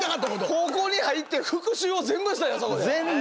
高校に入って復しゅうを全部したんやそこで。